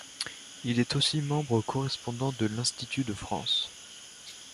Il est aussi membre correspondant de l'Institut de France.